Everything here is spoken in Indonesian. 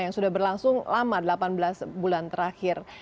yang sudah berlangsung lama delapan belas bulan terakhir